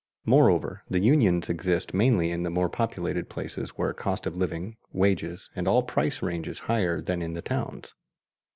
Moreover the unions exist mainly in the more populated places where cost of living, wages, and all prices range higher than in the towns.